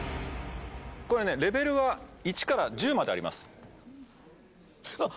これねレベルは１から１０までありますあっ！